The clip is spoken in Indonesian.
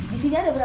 di sini ada berapa